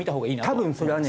多分それはね